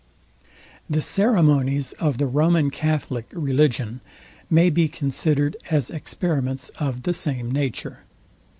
The ceremonies of the Roman Catholic religion may be considered as experiments of the same nature.